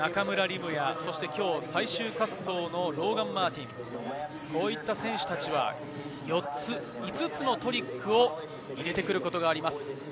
夢や最終滑走のローガン・マーティン、こういった選手たちは４つ、５つのトリックを入れてくることがあります。